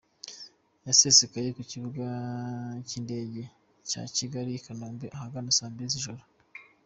Yasesekaye ku Kibuga cy’Indege cya Kigali i Kanombe ahagana saa mbili z’ijoro.